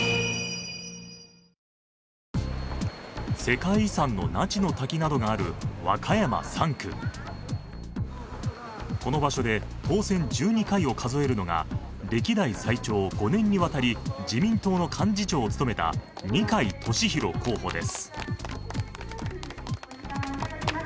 世界遺産の那智の滝などがある和歌山３区この場所で当選１２回を数えるのが歴代最長５年にわたり自民党の幹事長を務めた二階俊博候補です